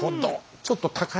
ちょっと高い。